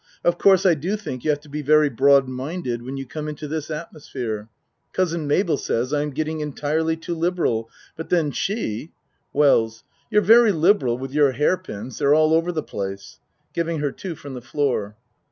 Of course I do think you have to be very broad minded when you come into this at mosphere. Cousin Mabel says I am getting entirely too liberal but then she WELLS You're very liberal with your hair pins they're all over the place. (Giving her two from the floor.)